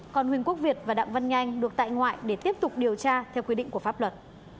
còn huỳnh quốc việt và đặng văn nhanh được tại ngoại để tiếp tục điều tra theo quy định của pháp luật